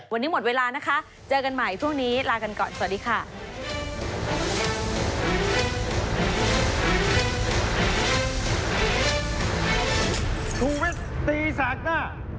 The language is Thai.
วันนี้หมดเวลานะคะเจอกันใหม่ช่วงนี้ลากันก่อนสวัสดีค่ะ